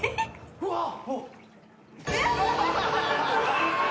うわっ！